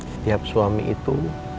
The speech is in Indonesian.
setiap suami itu